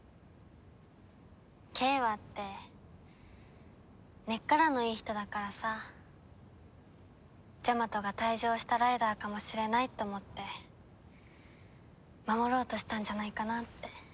景和って根っからのいい人だからさジャマトが退場したライダーかもしれないと思って守ろうとしたんじゃないかなって。